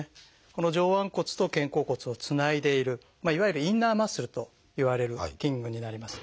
この上腕骨と肩甲骨をつないでいるいわゆるインナーマッスルといわれる筋群になります。